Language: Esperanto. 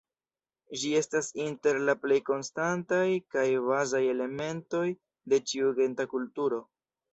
Ĝi estas inter la plej konstantaj kaj bazaj elementoj de ĉiu genta kulturo.